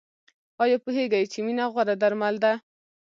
ایا پوهیږئ چې مینه غوره درمل ده؟